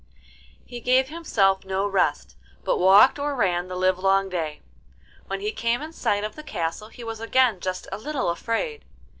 He gave himself no rest, but walked or ran the livelong day. When he came in sight of the castle he was again just a little afraid.